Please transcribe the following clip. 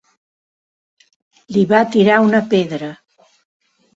Li va tirar una pedra.